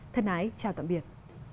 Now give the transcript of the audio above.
thân ái chào tạm biệt